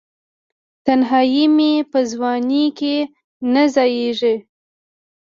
تنهایې مې په ځوانۍ کې نه ځائیږې